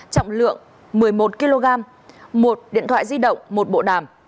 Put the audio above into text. trọng lượng một mươi một kg một điện thoại di động một bộ đàm